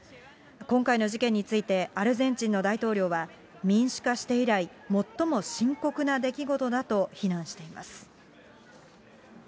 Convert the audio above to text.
今回の事件についてアルゼンチンの大統領は、民主化して以来、最も深刻な出来事だと非難しています。